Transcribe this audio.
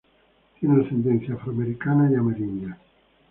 Tiene ascendencia afroamericana y amerindia.